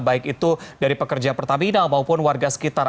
baik itu dari pekerja pertamina maupun warga sekitar